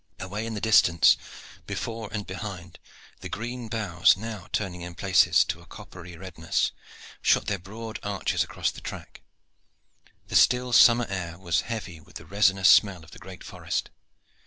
Away in the distance before and behind, the green boughs, now turning in places to a coppery redness, shot their broad arches across the track. The still summer air was heavy with the resinous smell of the great forest.